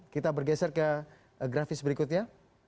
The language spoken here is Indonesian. kita bergeser ke grafis berikutnya